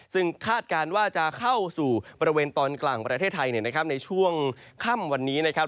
ซึ่งคาดการณ์ว่าจะเข้าสู่บริเวณตอนกลางประเทศไทยในช่วงค่ำวันนี้นะครับ